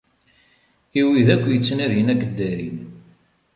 I wid akk yettnadin ad k-ddarin.